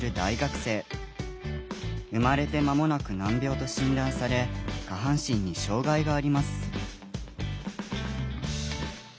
生まれて間もなく難病と診断され下半身に障害があります。